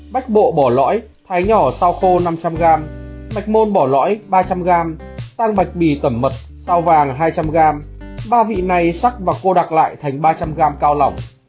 bách bộ bỏ lõi thái nhỏ sau khô năm trăm linh g mạch môn bỏ lõi ba trăm linh g tăng bạch bì tẩm mật sao vàng hai trăm linh g ba vị này sắc và cô đặc lại thành ba trăm linh g cao lỏng